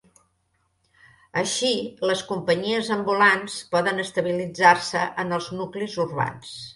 Així, les companyies ambulants poden estabilitzar-se en els nuclis urbans.